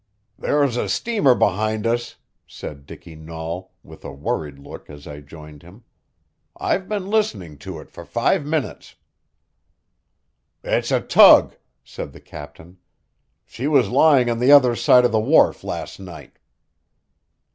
"There's a steamer behind us," said Dicky Nahl, with a worried look as I joined him. "I've been listening to it for five minutes." "It's a tug," said the captain. "She was lying on the other side of the wharf last night."